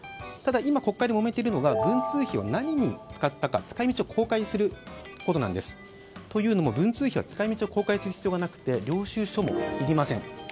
ただ今、国会でもめているのが文通費を何に使ったか使い道を公開することなんです。というのも、文通費は使い道を公開する必要はなくて領収書も必要ありません。